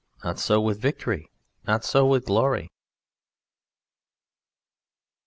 Not so with victory. Not so with glory.